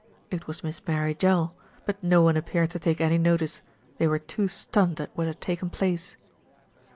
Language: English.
It was Miss Mary Jell; but no one appeared to take any notice, they were too stunned at what had taken place.